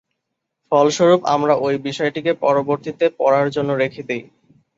ফলস্বরূপ, আমরা ঐ বিষয়টিকে পরবর্তীতে পড়ার জন্য রেখে দিই।